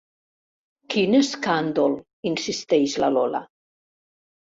Quin escàndol, insisteix la Lola.